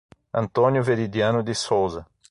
Antônio Veridiano de Souza